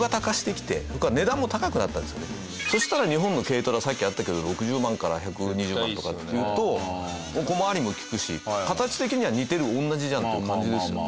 そしたら日本の軽トラさっきあったけど６０万から１２０万とかっていうと小回りも利くし形的には似てる同じじゃんっていう感じですよね。